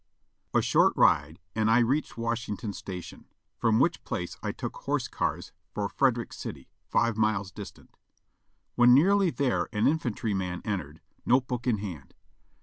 A short ride and I reached Washington Station, from which place I took horse cars for Frederick City, five miles distant. When nearl)^ there an infantryman entered, note book in hand.